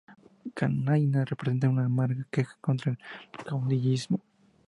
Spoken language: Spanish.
Canaima representa una amarga queja contra el caudillismo.